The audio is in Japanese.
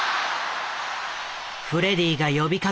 フレディが呼びかけ